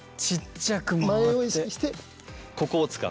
前を意識してここを使う。